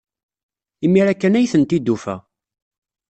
Imir-a kan ay tent-id-tufa.